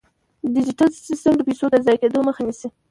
ډیجیټل سیستم د پيسو د ضایع کیدو مخه نیسي.